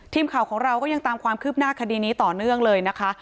ทีมข่าวของเราก็ยังตามความคืบหน้าคดีนี้ต่อเนื่องเลยนะคะ